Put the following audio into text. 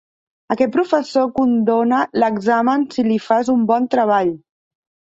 Aquest professor condona l'examen si li fas un bon treball.